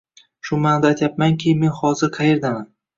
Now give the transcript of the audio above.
shu maʼnoda aytyapmanki, men hozir qayerdaman